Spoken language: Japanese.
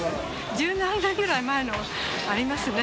１０年ぐらい前の、ありますね。